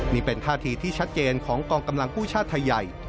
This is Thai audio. นี่เป็นท่าทีที่ชัดเจนของกองกำลังผู้ชาติไทยใหญ่